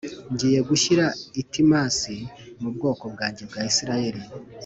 Ngiye gushyira itimasi mu bwoko bwanjye bwa isirayeli